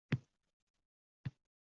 Faqirlik kelib-ketadigan hol.